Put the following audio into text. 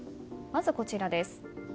まず、こちらです。